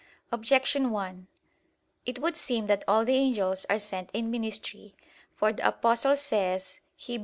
Objection 1: It would seem that all the angels are sent in ministry. For the Apostle says (Heb.